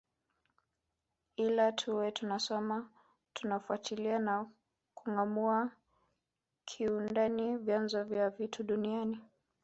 Ila tuwe tunasoma tunafuatilia na kungâamua kiundani vyanzo vya vitu duniani